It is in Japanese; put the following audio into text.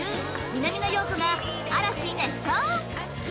南野陽子が嵐熱唱